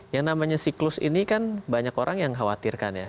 yang namanya siklus ini kan banyak orang yang khawatirkan ya